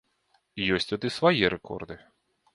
Ёсць тут і свае рэкорды.